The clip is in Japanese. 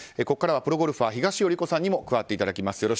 ここからはプロゴルファー東尾理子さんにも加わっていただきます。